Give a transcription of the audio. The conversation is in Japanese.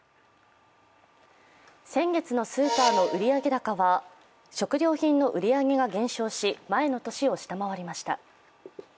先月のスーパーの売上高は食料品の売り上げが減少し、前の年を下回りました。